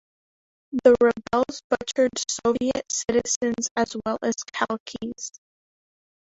The rebels butchered Soviet citizens as well as Khalqis.